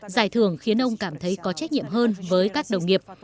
giải thưởng khiến ông cảm thấy có trách nhiệm hơn với các đồng nghiệp